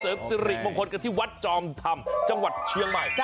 สิริมงคลกันที่วัดจอมธรรมจังหวัดเชียงใหม่